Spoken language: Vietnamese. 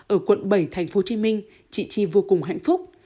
ở quận bảy tp hcm chị chi vô cùng hạnh phúc